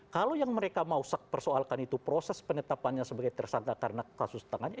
kalau yang mereka mau persoalkan itu proses penetapannya sebagai tersangka karena kasus tengahnya